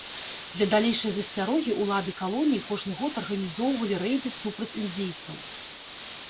Для далейшай засцярогі ўлады калоніі кожны год арганізоўвалі рэйды супраць індзейцаў.